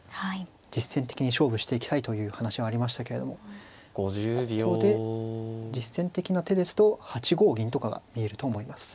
実戦的に勝負していきたいという話はありましたけれどもここで実戦的な手ですと８五銀とかが見えると思います。